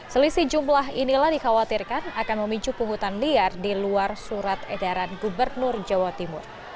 selisih jumlah inilah dikhawatirkan akan memicu pungutan liar di luar surat edaran gubernur jawa timur